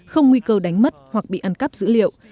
không nguy cơ đánh mất hoặc bị ăn cắp dữ liệu